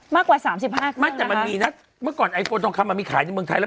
มากกว่าสามสิบห้าเมื่อก่อนไอโฟนทองคำมันมีขายในเมืองไทยแล้ว